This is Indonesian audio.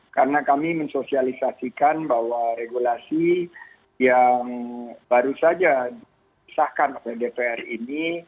karena kami mensosialisasikan bahwa regulasi yang baru saja disahkan oleh dpr ini